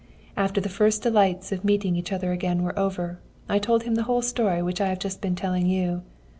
"After the first delights of meeting each other again were over, I told him the whole story which I have just been telling you.